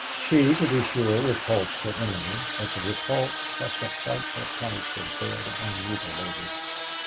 She, to be sure, repulsed her enemy, but the repulse cost a frightful price of dead and mutilated.